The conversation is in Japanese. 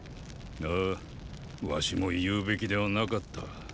ああ儂も言うべきではなかった。